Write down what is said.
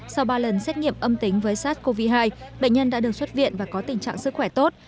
sau ba lần xét nghiệm âm tính với sars cov hai bệnh nhân đã được xuất viện và có tình trạng sức khỏe tốt